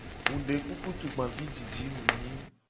Mu de kuku tugbavijiji mu nyi.